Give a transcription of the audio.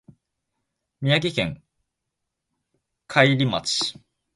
宮城県亘理町